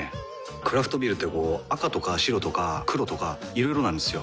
クラフトビールってこう赤とか白とか黒とかいろいろなんですよ。